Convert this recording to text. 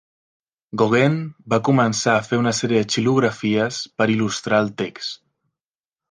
Gauguin va començar a fer una sèrie de xilografies per il·lustrar el text.